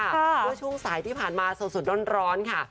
ด้วยช่วงสายที่ผ่านมาส่วนร้อนค่ะ